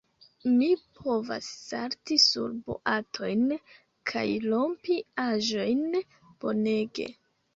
Mi povas salti sur boatojn, kaj rompi aĵojn. Bonege.